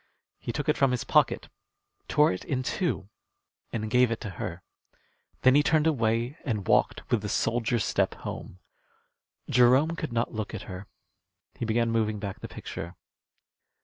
He took it from his pocket, tore it in two, and gave it to her. Then he turned away and walked with the soldier's step home. Jerome could not look at her. He began moving back the picture.